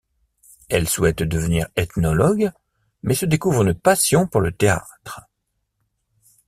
Elle souhaite devenir ethnologue mais se découvre une passion pour le théâtre.